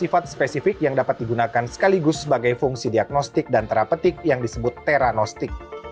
sifat spesifik yang dapat digunakan sekaligus sebagai fungsi diagnostik dan terapetik yang disebut teranostik